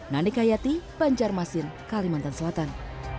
nandika yati banjarmasin kalimantan selatan